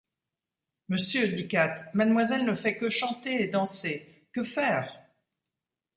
Monsieur, dit Katt, mademoiselle ne fait que chanter et danser, que faire ?…